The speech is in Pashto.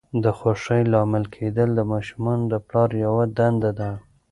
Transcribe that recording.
د خوښۍ لامل کېدل د ماشومانو د پلار یوه دنده ده.